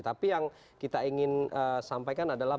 tapi yang kita ingin sampaikan adalah